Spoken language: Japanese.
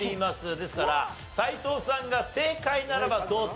ですから斎藤さんが正解ならば同点。